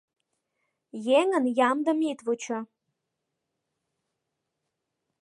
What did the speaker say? Еҥын ямдым ит вучо.